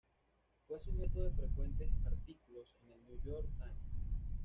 Fue sujeto de frecuentes artículos en el New York Times.